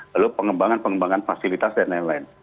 lalu pengembangan pengembangan fasilitas dan lain lain